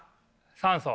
酸素。